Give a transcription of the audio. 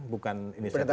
bukan ini seperti dia